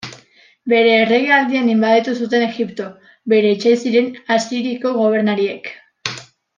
Bere erregealdian inbaditu zuten Egipto, bere etsai ziren Asiriako gobernariek.